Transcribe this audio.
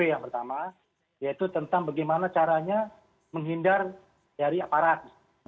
yang pertama yaitu tentang bagaimana caranya menghindar dari aparat